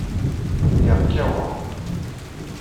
Lliɣ kkaweɣ.